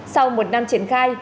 sau một năm triển khai